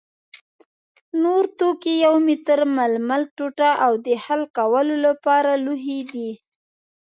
نور توکي یو متر ململ ټوټه او د حل کولو لپاره لوښي دي.